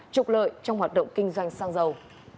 trục lợi trong hoạt động kinh doanh sang giàu